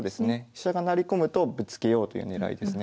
飛車が成り込むとぶつけようという狙いですね。